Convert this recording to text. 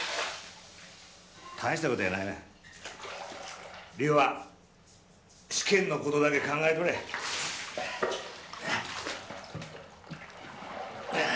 大したことやないわ梨央は試験のことだけ考えとれあ